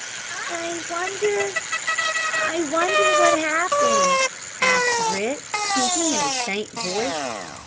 "I wonder I wonder what happened?" asked Rick, speaking in a faint voice.